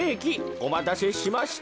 おまたせしました。